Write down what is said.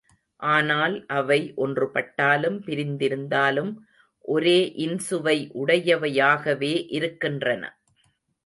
ஆனால் அவை ஒன்றுபட்டாலும் பிரிந்திருந்தாலும் ஒரே இன்சுவை உடையவையாகவே இருக்கின்றன.